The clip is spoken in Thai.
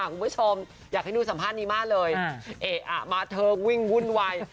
คุณผู้ชมอยากให้ดูสัมภาษณ์นี้มากเลยเอ๊ะอ่ะมาเทิงวิ่งวุ่นวาย